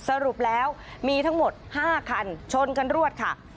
สรุปแล้วมีทั้งหมด๕คันชนกันรวดค่ะ